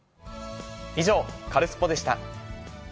以上、カルスポっ！でした。